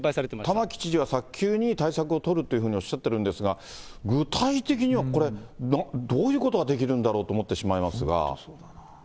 玉城知事は早急に対策を取るというふうにおっしゃってるんですが、具体的にはこれ、どういうことができるんだろうと思ってしまいますが。